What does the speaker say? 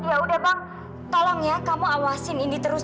ya udah bang tolong ya kamu awasin ini terus